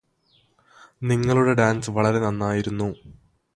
നിങ്ങളുടെ ഡാൻസ് വളരെ നന്നായിരുന്നു